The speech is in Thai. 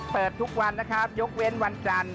เปิดทุกวันนะครับยกเว้นวันจันทร์